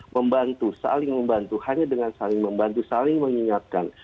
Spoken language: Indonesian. membantu saling membantu hanya dengan saling membantu saling mengingatkan